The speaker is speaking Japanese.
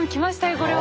これは！